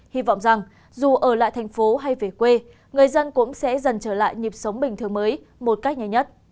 hy vọng rằng dù ở lại thành phố hay về quê người dân cũng sẽ dần trở lại nhịp sống bình thường mới một cách nhanh nhất